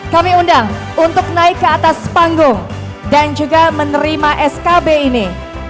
kami undang untuk naik ke atas panggung dan juga menerima skb ini